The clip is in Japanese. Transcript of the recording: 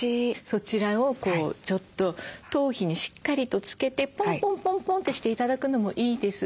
そちらをちょっと頭皮にしっかりとつけてポンポンポンポンってして頂くのもいいですし。